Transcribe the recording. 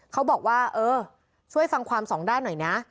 เขาบอกว่าเออช่วยฟังความสองด้านหน่อยนะ